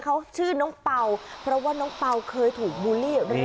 เขาชื่อน้องเปล่าเพราะว่าน้องเปล่าเคยถูกบูลลี่เป็นลักษณะอยู่กัน